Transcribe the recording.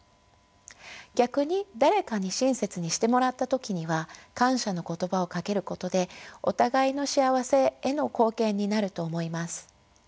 逆に誰かに親切にしてもらった時には感謝の言葉をかけることでお互いの幸せへの貢献になると思います。